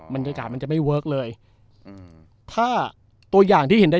บรรยากาศมันจะไม่เวิร์คเลย